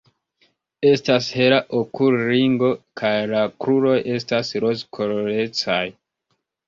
Estas hela okulringo kaj la kruroj estas rozkolorecaj.